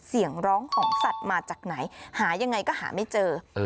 เสียงร้องของสัตว์มาจากไหนหายังไงก็หาไม่เจอ